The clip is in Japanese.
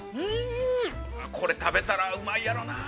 ◆これ食べたらうまいやろうなあ。